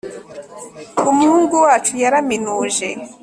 umuhungu wacu yaraminuje